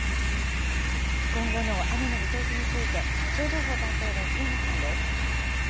今後の雨の見通しについて、気象情報担当の檜山さんです。